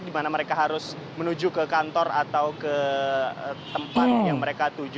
di mana mereka harus menuju ke kantor atau ke tempat yang mereka tuju